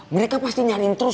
mereka pasti nyariin terus